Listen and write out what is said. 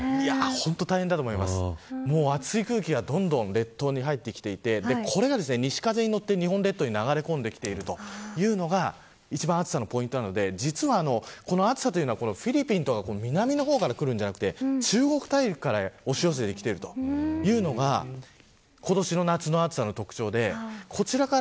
暑い空気がどんどん列島に入ってきていてこれが西風にのって日本列島に流れ込んできているというのが一番、暑さのポイントなのでこの暑さはフィリピンとか南の方から来るんじゃなくて中国大陸から押し寄せてきているというのが今年の夏の暑さの特徴です。